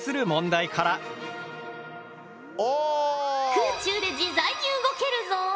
空中で自在に動けるぞ。